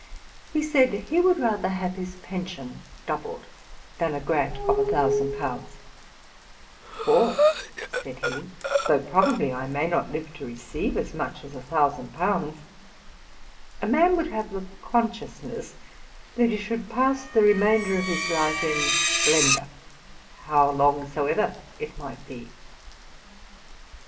He said that he would rather have his pension doubled than a grant of a thousand pounds; 'For, (said he,) though probably I may not live to receive as much as a thousand pounds, a man would have the consciousness that he should pass the remainder of his life in splendour, how long soever it might be.'